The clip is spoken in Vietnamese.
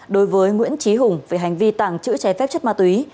đối với nguyễn trí hùng về hành vi tàng trữ trái phép chất ma túy